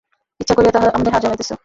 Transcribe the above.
ইচ্ছা করিয়া আমাদের হাড় জ্বালাইতেছ।